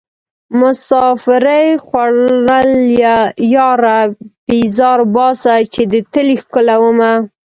مسافرۍ خوړليه ياره پيزار اوباسه چې دې تلې ښکلومه